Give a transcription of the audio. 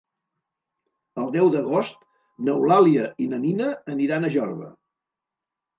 El deu d'agost n'Eulàlia i na Nina aniran a Jorba.